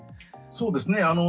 そうですね。